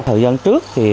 thời gian trước thì